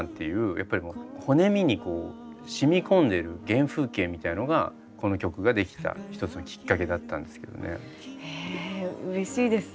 やっぱり骨身にこうしみ込んでる原風景みたいのがこの曲ができた一つのきっかけだったんですけどね。へうれしいです。